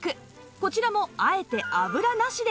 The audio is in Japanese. こちらもあえて油なしで調理